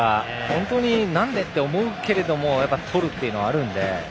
本当に、なんで？と思うけれど取るというのはあるので。